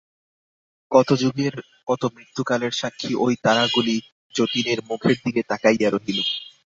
কত যুগের কত মৃত্যুকালের সাক্ষী ঐ তারাগুলি যতীনের মুখের দিকে তাকাইয়া রহিল।